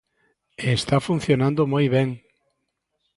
E está funcionando moi ben.